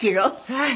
はい。